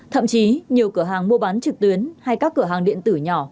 thậm chí nhiều cửa hàng mua bán trực tuyến hay các cửa hàng điện tử nhỏ